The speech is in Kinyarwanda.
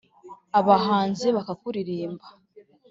abahanzi bakakuririmba